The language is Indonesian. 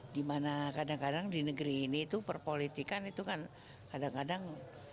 dimana kadang kadang di negeri ini itu perpolitikan itu kan kadang kadang